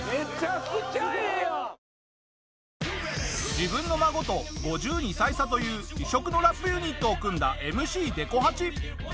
自分の孫と５２歳差という異色のラップユニットを組んだＭＣでこ八。